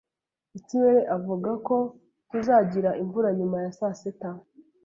Ikirere avuga ko tuzagira imvura nyuma ya saa sita